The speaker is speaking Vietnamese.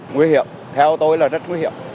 nguy hiểm theo tôi là rất nguy hiểm